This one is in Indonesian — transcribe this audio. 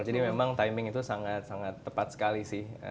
jadi memang timing itu sangat sangat tepat sekali sih